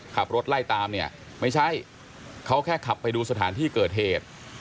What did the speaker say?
ขับรถไล่ตามเนี่ยไม่ใช่เขาแค่ขับไปดูสถานที่เกิดเหตุ